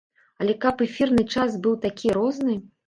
Але каб эфірны час быў такі розны!